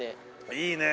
いいね。